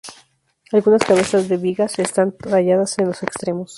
Algunas cabezas de vigas están talladas en los extremos.